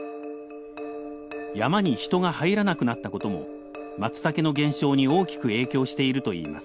山に人が入らなくなったこともマツタケの減少に大きく影響しているといいます。